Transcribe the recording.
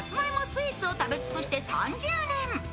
スイーツを食べ尽くして３０年。